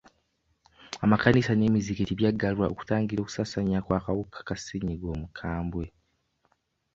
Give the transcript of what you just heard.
Amakkanisa n'emizikiti byaggalwa okutangira okusaasaanya kw'akawuka ka ssenyiga omukambwe.